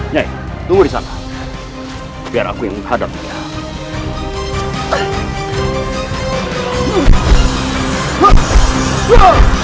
nye tunggu di sana biar aku yang hadapnya